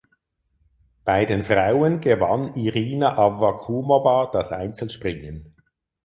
Bei den Frauen gewann Irina Awwakumowa das Einzelspringen.